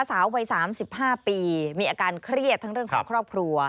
สาววัย๓๕ปีมีอาการเครียดทั้งเรื่องของครอบครัว